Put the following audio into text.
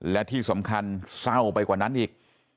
และที่สำคัญเศร้าไปกว่านั้นอีก